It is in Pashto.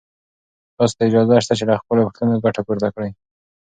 تاسو ته اجازه شته چې له خپلو پوښتنو ګټه پورته کړئ.